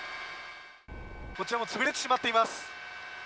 こちらも潰れてしまっています。